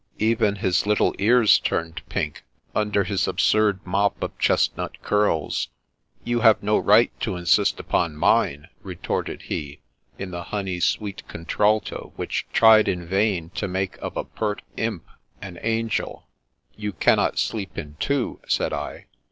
Even his little ears turned pink, under his absurd mop of chestnut curls. " You have no right to insist upon mine," retorted he, in the honey sweet contralto which tried in vain to make of a pert imp, an angel. " You cannot sleep in two," said I.